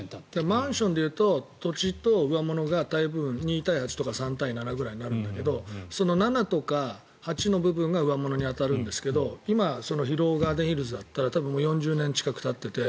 マンションでいうと上物が大部分、２対８とか３対７になるんだけど７とか８の部分が上物に当たるんですけど広尾ガーデンヒルズだったら多分、４０年近くたってて。